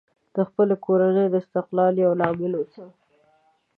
د خپلې کورنۍ د استقامت یو لامل اوسه